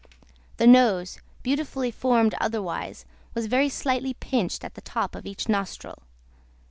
The nose, beautifully formed otherwise, was very slightly pinched at the top of each nostril.